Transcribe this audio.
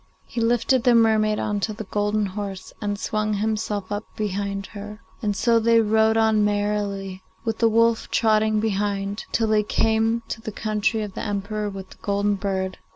He lifted the mermaid on to the golden horse, and swung himself up behind her and so they rode on merrily, with the wolf trotting behind, till they came to the country of the Emperor with the golden bird.